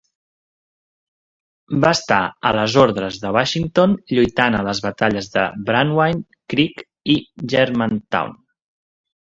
Va estar a les ordres de Washington, lluitant a les batalles de Brandywine Creek i Germantown.